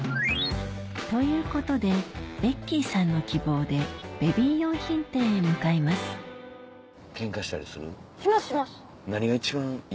ということでベッキーさんの希望でベビー用品店へ向かいますしますします。